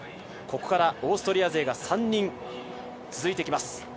ここからオーストリア勢が３人続いてきます。